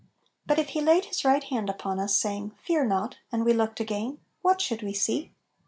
But if He laid His right hand upon us, saying, "Fear not," and we looked again, what should we see